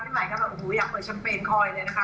พี่หมายครับอยากเปิดชัมเปญคอยเลยนะคะ